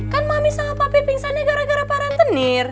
kan mami sama papi pingsannya gara gara paratenir